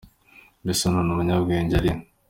Mbese none umunyabwenge ari he ?